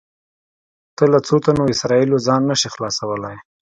ته له څو تنو اسرایلو ځان نه شې خلاصولی.